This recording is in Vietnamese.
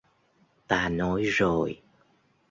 ta nói rồi